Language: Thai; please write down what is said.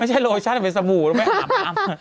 ไม่ใช่โลชั่นเป็นสบู่มันเป็นขาบแล้ว